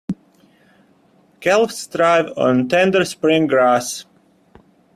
Calves thrive on tender spring grass.